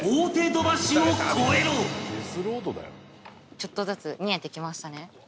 ちょっとずつ見えてきましたね。